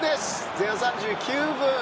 前半３９分。